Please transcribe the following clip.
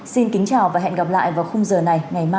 xin kính chào và hẹn gặp lại vào khung giờ này ngày mai